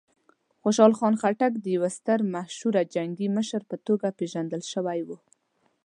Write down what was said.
خوشحال خان خټک د یوه ستر مشهوره جنګي مشر په توګه پېژندل شوی و.